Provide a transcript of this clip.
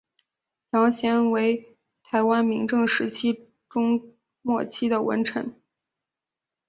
杨贤为台湾明郑时期中末期的文臣。